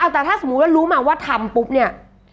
แต่ถ้าสมมุติว่ารู้มาว่าทำปุ๊บเนี่ย